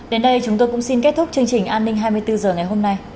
đến đây chúng tôi cũng xin kết thúc chương trình an ninh hai mươi bốn h ngày hôm nay